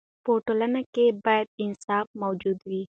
په ټولنه کې باید انصاف موجود وي.